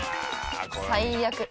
最悪。